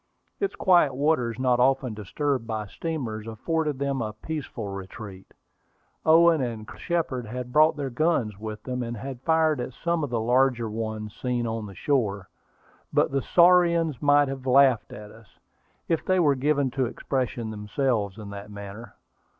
Its quiet waters, not often disturbed by steamers, afforded them a peaceful retreat. Owen and Colonel Shepard had brought their guns with them, and had fired at some of the larger ones seen on the shore; but the saurians might have laughed at them, if they were given to expressing themselves in that manner.